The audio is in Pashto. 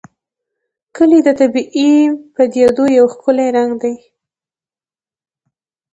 کلي د طبیعي پدیدو یو ښکلی رنګ دی.